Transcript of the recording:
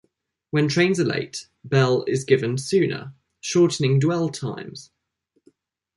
When trains are late, bell is given sooner, shortening dwell times.